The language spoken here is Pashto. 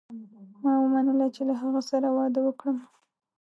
ما ومنله چې له هغه سره واده وکړم.